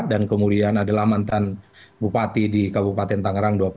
dan kemudian adalah mantan bupati di kabupaten tangerang